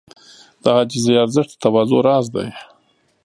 د عاجزۍ ارزښت د تواضع راز دی.